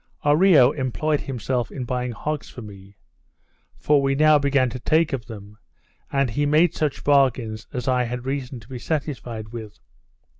Oreo employed himself in buying hogs for me (for we now began to take of them), and he made such bargains as I had reason to be satisfied with.